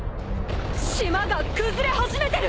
島が崩れ始めてる！